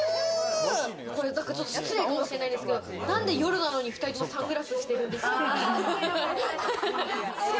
ちょっと失礼かもしれないんですけれど、夜なのに２人ともサングラスしてるんですか？